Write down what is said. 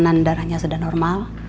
tekanan darahnya sudah normal